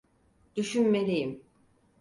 Düşünmeliyim.